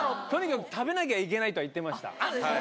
とにかく食べなきゃいけないとは言ってました。